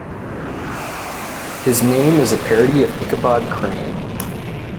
His name is a parody of Ichabod Crane.